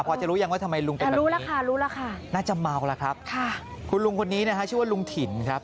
พอจะรู้ยังว่าทำไมลุงเป็นแบบนี้น่าจะเมาแล้วครับค่ะคุณลุงคนนี้นะชื่อว่าลุงถิ่นครับ